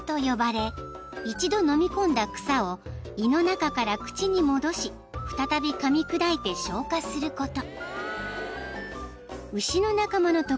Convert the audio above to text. ［一度のみ込んだ草を胃の中から口に戻し再びかみ砕いて消化すること］